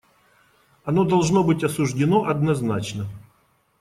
Оно должно быть осуждено однозначно.